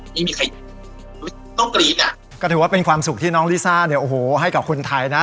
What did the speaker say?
นี่มีใครต้องกรีดอ่ะก็ถือว่าเป็นความสุขที่น้องลิซ่าเนี่ยโอ้โหให้กับคนไทยนะ